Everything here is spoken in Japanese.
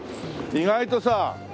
意外とさ